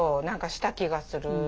何かした気がする。